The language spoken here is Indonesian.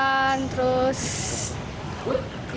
lebih dirawat terus dibersihkan terus